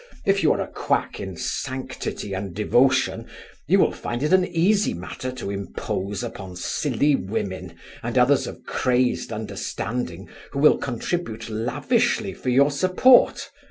If you are a quack in sanctity and devotion, you will find it an easy matter to impose upon silly women, and others of crazed understanding, who will contribute lavishly for your support.